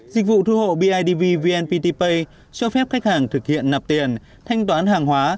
dịch vụ thu hộ bidv vnpt pay cho phép khách hàng thực hiện nạp tiền thanh toán hàng hóa